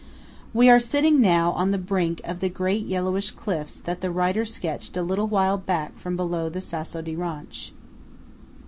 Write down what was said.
We are siting now on the brink of the great yellowish cliffs that the writer sketched a little while back from below the Sasso di Ronch.